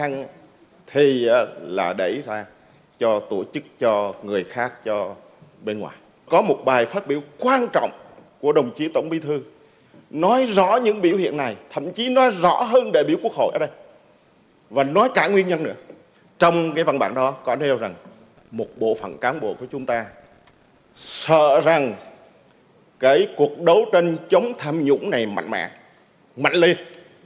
nó có nêu rằng một bộ phận cán bộ của chúng ta sợ rằng cái cuộc đấu tranh chống tham nhũng này mạnh mẽ mạnh liệt